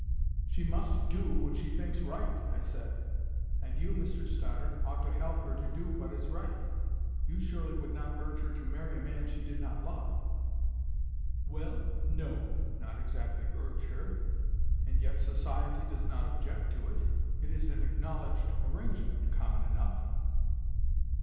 "She must do what she thinks right," I said. "And you, Mr Stoddart, ought to help her to do what is right. You surely would not urge her to marry a man she did not love." "Well, no; not exactly urge her. And yet society does not object to it. It is an acknowledged arrangement, common enough."